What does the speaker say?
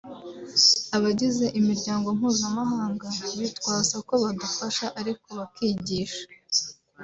abagize imiryango mpuzamahanga bitwaza ko badufasha ariko bakigisha